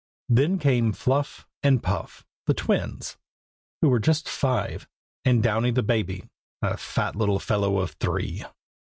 Then came Fluff and Puff, the twins, who were just five, and Downy the baby, a fat little fellow of three.